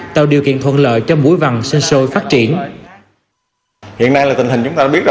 tạo điều kiện thuận lợi cho mũi vằn sinh sôi phát triển